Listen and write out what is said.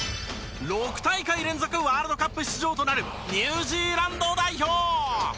６大会連続ワールドカップ出場となるニュージーランド代表。